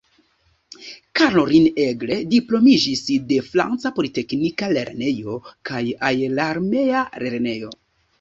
Caroline Aigle diplomiĝis de "Franca Politeknika Lernejo" kaj "Aerarmea Lernejo".